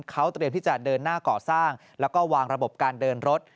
เขาเตรียมที่จะเดินหน้าก่อสร้างแล้วก็วางระบบการเดินรถ